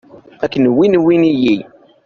Akken wwin wwin-iyi.